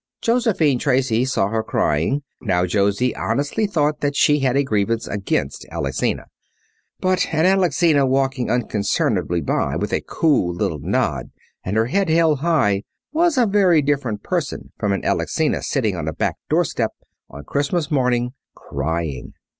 Josephine Tracy saw her crying. Now, Josie honestly thought that she had a grievance against Alexina. But an Alexina walking unconcernedly by with a cool little nod and her head held high was a very different person from an Alexina sitting on a back doorstep, on Christmas morning, crying.